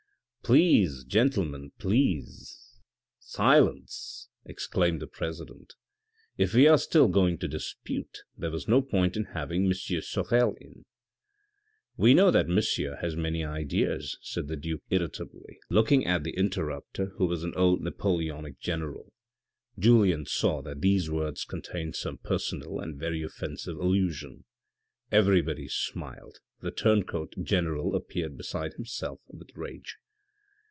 " Please, gentlemen, silence," exclaimed the president. " If we are still going to dispute, there was no point in having M. Sorel in." "We know that monsieur has many ideas," said the duke irritably, looking at the interrupter who was an old Napoleonic general. Julien saw that these words contained some personal and very offensive allusion. Everybody smiled, the turn coat general appeared beside himself with rage.